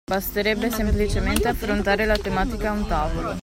Basterebbe semplicemente affrontare la tematica a un tavolo.